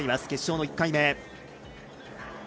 決勝の１回目。